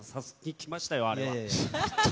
きましたよ、あれは。